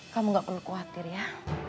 kamu gak perlu khawatir ya